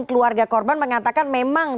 keluarga korban mengatakan memang